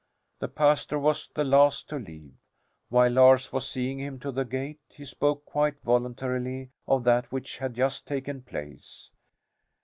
The pastor was the last to leave. While Lars was seeing him to the gate he spoke quite voluntarily of that which had just taken place.